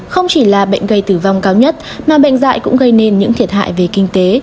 không chỉ là bệnh gây tử vong cao nhất mà bệnh dạy cũng gây nên những thiệt hại về kinh tế